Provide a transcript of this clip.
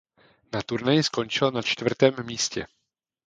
Na turnaji skončilo na čtvrtém místě.